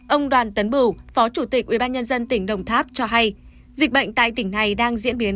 ông đoàn tấn bửu phó chủ tịch ubnd tỉnh đồng tháp cho hay dịch bệnh tại tỉnh này đang diễn biến